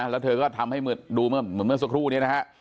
แล้วเธอก็ทำให้ดูเหมือนเมื่อสักครู่นี้นะฮะ